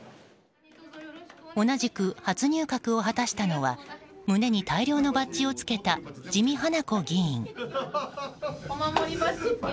同じく初入閣を果たしたのは胸に大量のバッジをつけた自見英子議員。